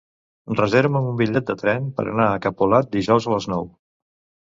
Reserva'm un bitllet de tren per anar a Capolat dijous a les nou.